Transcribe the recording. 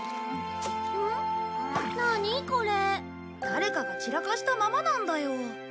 誰かが散らかしたままなんだよ。